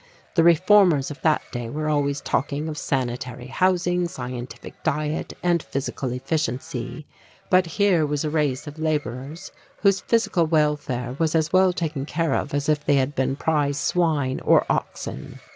The reformers of that day were always talking of sanitary housing, scientific diet and physical efficiency. But here was a race of labourers whose physical welfare was as well taken care of as if they had been prize swine or oxen.